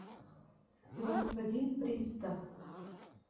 Господин пристав!